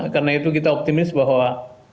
karena itu kita optimis bahwa